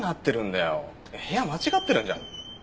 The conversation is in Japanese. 部屋間違ってるんじゃ。